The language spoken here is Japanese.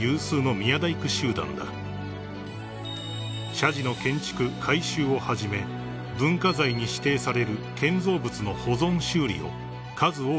［社寺の建築改修をはじめ文化財に指定される建造物の保存修理を数多く担ってきた］